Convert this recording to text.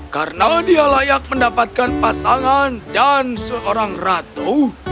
karena dia layak mendapatkan pasangan dan seorang ratu